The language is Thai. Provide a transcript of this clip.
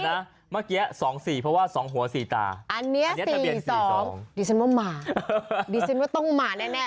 เมื่อกี้๒๔เพราะว่า๒หัว๔ตาอันเนี้ย๔๒ดีเซ็นว่าต้องหมาดีเซ็นว่าต้องหมาแน่